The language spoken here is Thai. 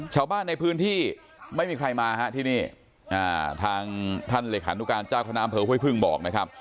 ชาวบ้านในพื้นที่ไม่มีใครมาฮะที่นี่ทางท่านเลขานุการเจ้าคณะอำเภอห้วยพึ่งบอกนะครับ